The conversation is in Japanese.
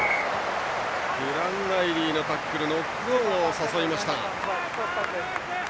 ディラン・ライリーのタックルでノックオンを誘いました。